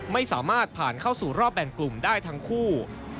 ไม่สามารถผ่านเข้าสู่รอบแบ่งกลุ่มได้ทั้งคู่